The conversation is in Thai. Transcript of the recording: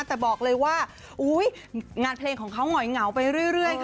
แต่บอกเลยว่างานเพลงของเขาหง่อยเหงาไปเรื่อยค่ะ